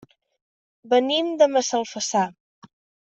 Venim de Massalfassar.